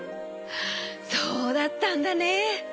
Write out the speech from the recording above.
そうだったんだね。